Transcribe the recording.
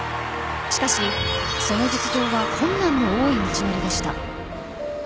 しかし、その実情は困難の多い道のりでした。